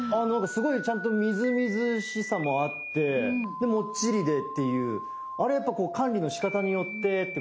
すごいちゃんとみずみずしさもあってでもっちりでっていうあれやっぱ管理のしかたによってってことなんですかね。